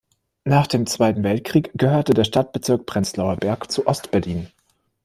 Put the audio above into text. Nach dem Zweiten Weltkrieg gehörte der Stadtbezirk Prenzlauer Berg zu Ost-Berlin.